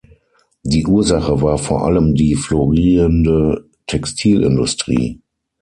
Die Ursache war vor allem die florierende Textilindustrie.